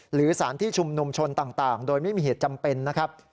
หรือสารที่ชุมนุมชนต่างโดยไม่มีเหตุจำเป็นนะครับ